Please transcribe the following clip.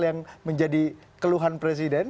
yang menjadi keluhan presiden